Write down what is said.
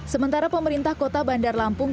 sementara pemerintah kota bandar lampung